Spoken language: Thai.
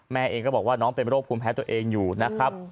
แม่เองก็บอกว่าน้องเป็นโรคภูมิแพ้ตัวเองอยู่นะครับ